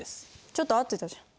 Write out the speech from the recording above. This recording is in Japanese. ちょっと合ってたじゃん。